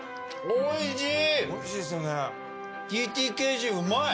おいしい！